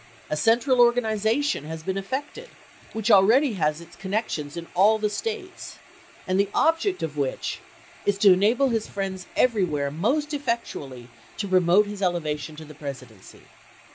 A central organization has been effected, which already has its con nections in all the States, and the object of which is to enable his friends everywhere most effectually to promote his elevation to the Presidency.